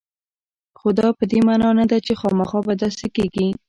خو دا په دې معنا نه ده چې خامخا به داسې کېږي